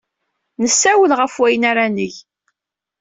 Nessawel ɣef wayen ara neg.